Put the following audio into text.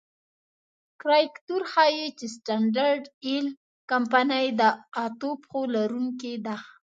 کاریکاتور ښيي چې سټنډرډ آیل کمپنۍ د اتو پښو لرونکې ده.